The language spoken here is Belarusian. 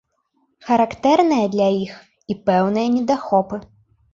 Характэрныя для іх і пэўныя недахопы.